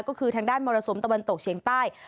ก็คือทางด้านมรสุมตะวันตกเฉียงใต้